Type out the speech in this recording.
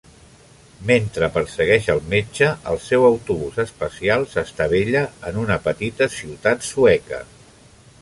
Mentre persegueix al metge, el seu autobús espacial s'estavella en una petita ciutat sueca.